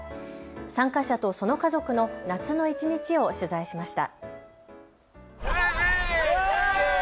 参加者とその家族の夏の一日を取材しました。